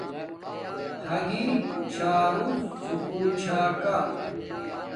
ھاگی چھاروݵ سکُول چھا کا